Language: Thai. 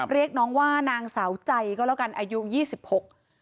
เรียกน้องว่านางสาวใจก็แล้วกันอายุยี่สิบหก